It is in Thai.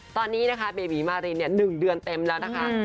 ตอนนี้นะคะเบบีมารินเนี่ยหนึ่งเดือนเต็มแล้วนะคะอืม